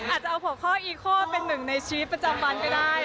อาจจะเอาหัวข้ออีโคเป็นหนึ่งในชีวิตประจำวันก็ได้